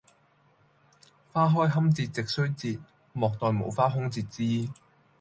花開堪折直須折，莫待無花空折枝！